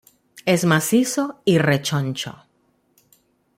Es macizo y rechoncho.